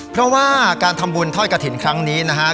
เพราะว่าการทำบุญทอดกระถิ่นครั้งนี้นะครับ